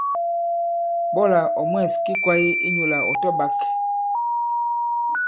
Ɓɔlà ɔ̀ mwɛ̂s ki kwāye inyūlà ɔ̀ tɔ-ɓāk.